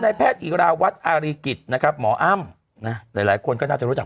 แพทย์อิราวัตรอารีกิจนะครับหมออ้ำนะหลายคนก็น่าจะรู้จัก